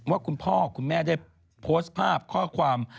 ว่าคุณพ่อคุณแม่ได้โพสต์ภาพข้อความ